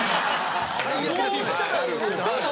どうしたらええねん。